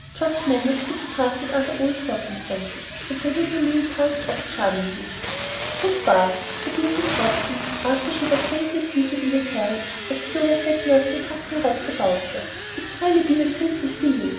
Geoff's manners could be trusted under all circumstances, and the little meal passed off charmingly. "Good by," said Mrs. Watson, after she was safely seated in the carriage, as Clover sedulously tucked her wraps about her. "It's really been a treat to see you.